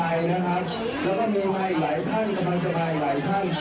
วันตอนวิทยุกร์การใช้นะครับแล้วก็มีมาอีกหลายท่านกำลังจะมาอีกหลายท่าน